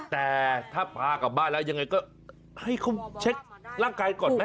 แต่ถ้าพากลับบ้านแล้วยังไงก็ให้เขาเช็คร่างกายก่อนไหม